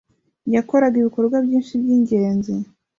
yakoraga ibikorwa byinshi byingenzi